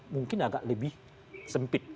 mungkin agak lebih sempit